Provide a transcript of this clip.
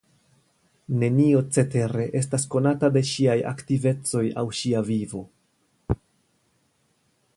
Nenio cetere estas konata de ŝiaj aktivecoj aŭ ŝia vivo.